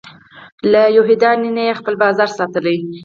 له یهودیانو نه یې خپل بازار ساتلی.